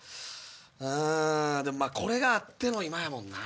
うんでもまぁこれがあっての今やもんな。